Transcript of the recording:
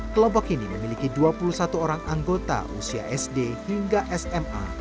kelompok ini memiliki dua puluh satu orang anggota usia sd hingga sma